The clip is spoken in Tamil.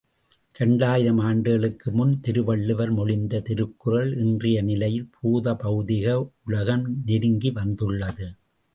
இரண்டாயிரம் ஆண்டுகளுக்கு முன் திருவள்ளுவர் மொழிந்த திருக்குறள், இன்றைய நிலையில் பூத, பெளதிக உலகம் நெருங்கி வந்துள்ளது.